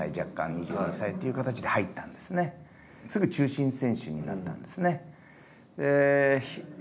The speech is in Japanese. すぐ中心選手になったんですね。